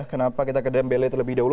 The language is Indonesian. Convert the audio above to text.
kenapa kita ke dembele terlebih dahulu